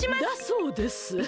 だそうです。